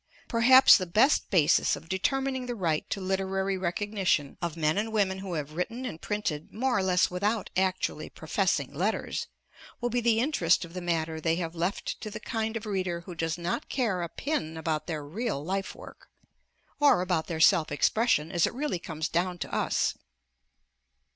Perhaps the best basis of determining the right to literary recognition of men and women who have written and printed more or less without actually professing letters, will be the interest of the matter they have left to the kind of reader who does not care a pin about their real life work, or about their self expression as it really comes down to us.